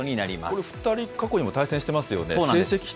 これ、２人、過去にも対戦してますよね。